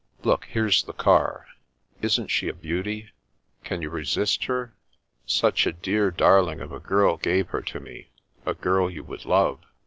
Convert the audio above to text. Look, here's the car. Isn't she a beauty? Can you resist her? Such a dear darling of a girl gave her to me, a girl you would love.